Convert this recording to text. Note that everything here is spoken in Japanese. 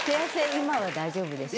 今は大丈夫でしょ？